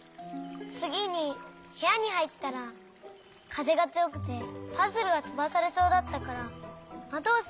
つぎにへやにはいったらかぜがつよくてパズルがとばされそうだったからまどをしめようとしたの。